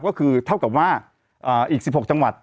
ก็คือเท่ากับว่าอีก๑๖จังหวัด